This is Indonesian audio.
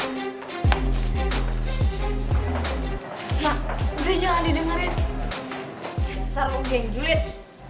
besar lo geng julid